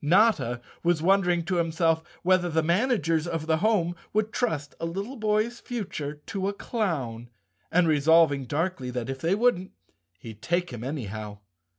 Notta was wondering to himself whether the managers of the home would trust a little boy's future to a clown and resolving darkly that, if they wouldn't, he'd take him anyhow.